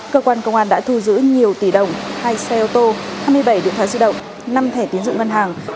cơ quan công an đã thu giữ nhiều tỷ đồng hai xe ô tô hai mươi bảy điện thoại di động năm thẻ tiến dụng ngân hàng